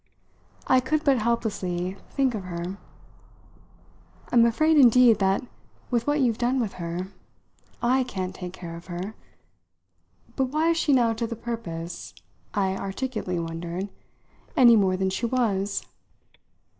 I could but helplessly think of her. "I'm afraid indeed that, with what you've done with her, I can't take care of her. But why is she now to the purpose," I articulately wondered, "any more than she was?"